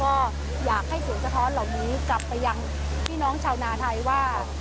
ก็อยากขอถงกำลังใจไปให้ค่ะ